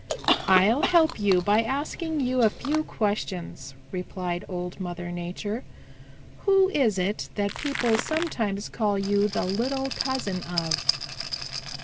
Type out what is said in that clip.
"I'll help you by asking you a few questions," replied Old Mother Nature. "Who is it that people sometimes call you the little cousin of?"